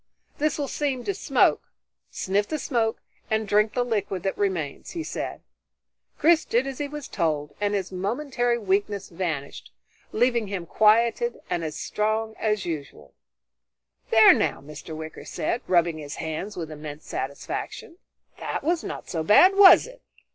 "This will seem to smoke. Sniff the smoke and drink the liquid that remains," he said. Chris did as he was told, and his momentary weakness vanished, leaving him quieted and as strong as usual. "There now," Mr. Wicker said, rubbing his hands with immense satisfaction, "that was not so bad, was it?